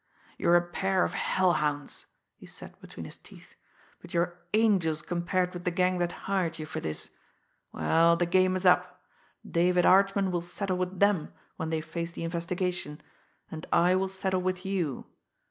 "You are a pair of hell hounds," he said between his teeth; "but you are angels compared with the gang that hired you for this. Well, the game is up! David Archman will settle with them when they face the investigation and I will settle with you!